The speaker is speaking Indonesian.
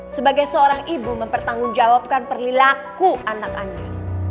sebagai seorang ibu mempertanggungjawabkan perilaku anak anda